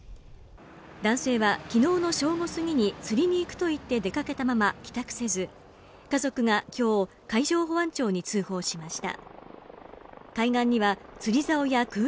男性は昨日の正午すぎに釣りに行くと言って出かけたまま帰宅せず、家族が今日、海上保安庁に通報しました。